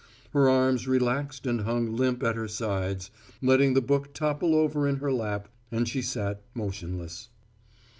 Her arms relaxed and hung limp at her sides, letting the book topple over in her lap, and she sat motionless.